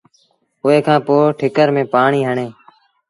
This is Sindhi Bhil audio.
اُئي کآݩ پوء ٺِڪر ميݩ پآڻيٚ هڻي